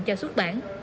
cho xuất bản